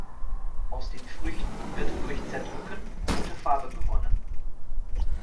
Aus den Früchten wird durch Zerdrücken rote Farbe gewonnen.